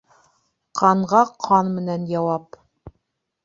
Ҡанға ҡан менән яуап.